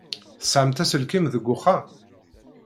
Tesɛamt aselkim deg uxxam?